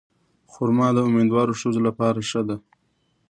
خرما د امیندوارو ښځو لپاره ښه ده.